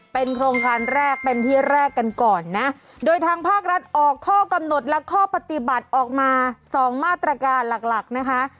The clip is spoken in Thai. เป็นโครงการแรกเป็นที่แรกกันก่อนนะโดยทางภาครัฐออกข้อกำหนดและข้อปฏิบัติออกมาสองมาตรการหลักหลักนะคะ